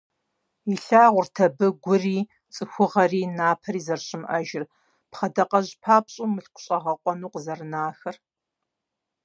Илъагъурт абы Гури, ЦӀыхугъэри, Напэри зэрыщымыӀэжыр, пхъэдакъэжь папщӀэу мылъкущӀэгъэкъуэну къызэрынахэр.